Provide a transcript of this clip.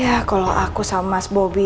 ya kalau aku sama mas bobi